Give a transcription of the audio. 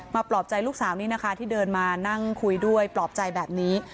ปลอบใจลูกสาวนี้นะคะที่เดินมานั่งคุยด้วยปลอบใจแบบนี้